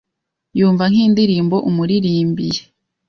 yumva nk’indirimbo umuririmbiye